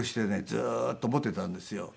ずーっと持っていたんですよ。